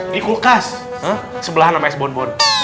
di kulkas sebelahan sama sbonbon